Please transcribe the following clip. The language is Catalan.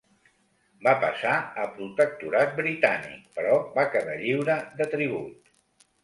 Va passar a protectorat britànic però va quedar lliure de tribut.